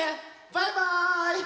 バイバーイ。